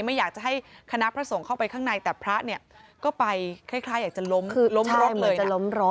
ไม่อยากจะให้คณะพระส่งเข้าไปข้างในแต่พระก็ไปคล้ายอยากจะล้มรถเลยนะ